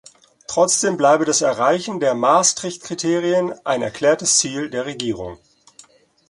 Trotzdem bleibe das Erreichen der Maastricht-Kriterien ein erklärtes Ziel der Regierung.